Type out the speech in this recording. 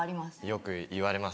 よく言われます。